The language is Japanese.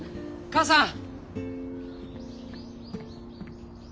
母さん。